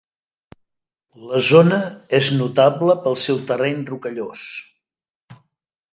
La zona és notable pel seu terreny rocallós.